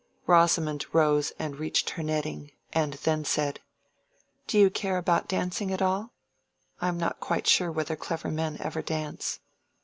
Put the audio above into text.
Rosamond rose and reached her netting, and then said, "Do you care about dancing at all? I am not quite sure whether clever men ever dance."